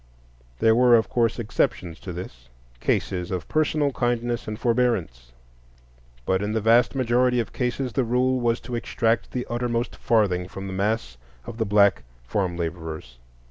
There were, of course, exceptions to this,—cases of personal kindness and forbearance; but in the vast majority of cases the rule was to extract the uttermost farthing from the mass of the black farm laborers.